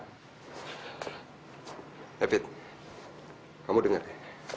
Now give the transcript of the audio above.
david kamu dengar ya